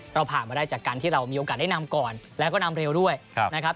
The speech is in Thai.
เราผ่านมาได้จากการที่เรามีโอกาสได้นำก่อนแล้วก็นำเร็วด้วยนะครับ